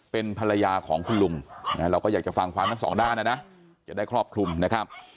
เป็นภรรยาของคุณลุงเราก็อยากจะฟังความทั้งสองด้านนะนะจะได้ครอบคลุมนะครับ